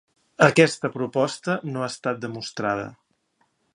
Aquesta proposta no ha estat demostrada.